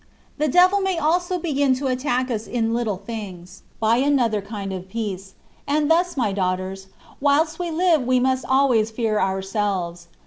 The devil may also begin [to attack us] in little things^ by another kind of peace ; and thus^ my daughters^ whilst we live we must always fear ourselves.